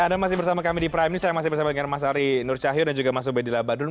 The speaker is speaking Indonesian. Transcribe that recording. anda masih bersama kami di prime news saya masih bersama dengan mas ari nur cahyo dan juga mas ubedila badul